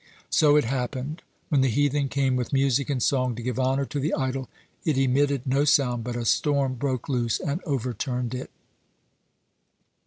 So it happened. When the heathen came with music and song to give honor to the idol, it emitted no sound, but a storm broke loose and overturned it.